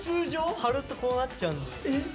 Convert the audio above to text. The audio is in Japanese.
張るとこうなっちゃうんで。